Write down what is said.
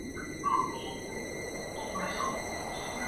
腓尼基人发现美洲论是哥伦布时代前的跨大洋接触的之一。